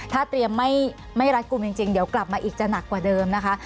ถ้าเตรียมไม่รัดกลุ่มจริงเดี๋ยวกลับมาอีกจะหนักกว่าเดิมนะคะ